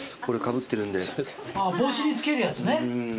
帽子に着けるやつね。